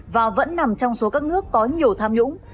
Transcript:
và vẫn nằm trong số các nước có nhiều tham nhũng